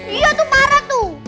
iya tuh parah tuh